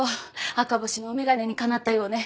赤星のお眼鏡にかなったようね。